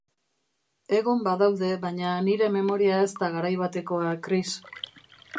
Egon badaude, baina nire memoria ez da garai batekoa, Cris.